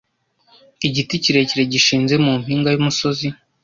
Igiti kirekire gishinze mu mpinga y umusozi